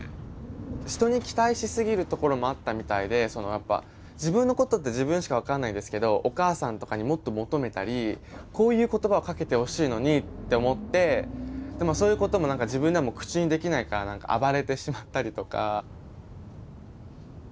人に期待しすぎるところもあったみたいでやっぱ自分のことって自分しか分かんないですけどお母さんとかにもっと求めたりこういう言葉をかけてほしいのにって思ってでもそういうことも何か自分でも口にできないから暴れてしまったりとか。